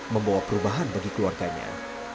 membawa perubahan bagi keluarganya